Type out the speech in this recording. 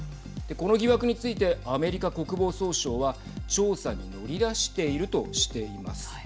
この疑惑についてアメリカ国防総省は調査に乗り出しているとしています。